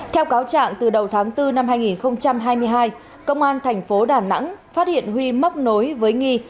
theo cáo trạng từ đầu tháng bốn năm hai nghìn hai mươi hai công an tp đà nẵng phát hiện huy mấp nối với nghì